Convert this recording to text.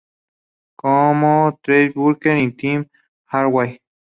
Como Trey Burke y Tim Hardaway Jr.